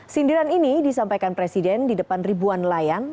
sindiran ini disampaikan presiden di depan ribuan nelayan